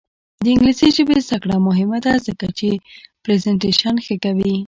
د انګلیسي ژبې زده کړه مهمه ده ځکه چې پریزنټیشن ښه کوي.